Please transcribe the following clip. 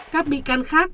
các bị can khác